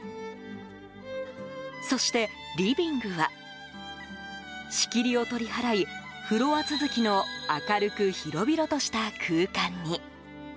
そして、リビングは仕切りを取り払いフロア続きの明るく広々とした空間に。